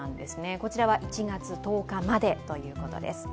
こちらは１月１０日までということです。